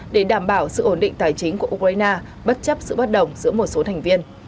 để đảm bảo sự ổn định tài chính của ukraine bất chấp sự bất đồng giữa một số thành viên